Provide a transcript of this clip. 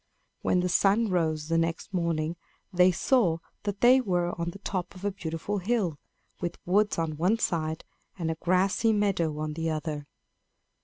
When the sun rose the next morning, they saw that they were on the top of a beautiful hill, with woods on one side and a grassy meadow on the other.